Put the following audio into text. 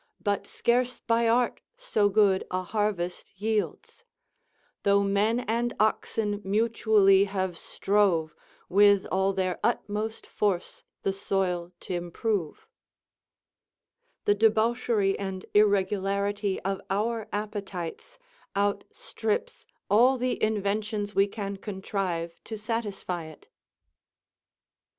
But scarce by art so good a harvest yields; Though men and oxen mutually have strove, With all their utmost force the soil t' improve," the debauchery and irregularity of our appetites outstrips all the inventions we can contrive to satisfy it.